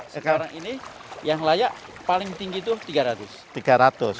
sekarang ini yang layak paling tinggi itu tiga ratus